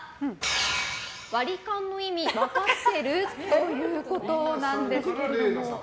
割り勘の意味分かってる？ということなんですけども。